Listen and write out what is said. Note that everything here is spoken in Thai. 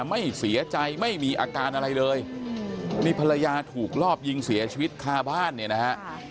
ไม่เสียใจไม่มีอาการอะไรเลยนี่ภรรยาถูกรอบยิงเสียชีวิตคาบ้านเนี่ยนะฮะ